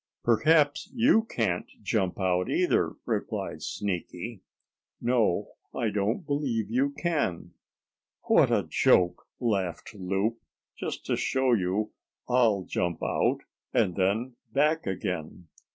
"Perhaps you can't jump out either," replied Sneaky. "No, I don't believe you can." "What a joke!" laughed Loup. "Just to show you, I'll jump out, and then back again."